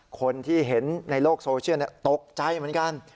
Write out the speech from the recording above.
คนที่เห็นในโลกโซเชียลตกใจเหมือนกัน